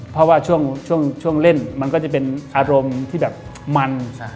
เพราะว่าช่วงเล่นมันก็จะเป็นอารมณ์ที่แบบมัน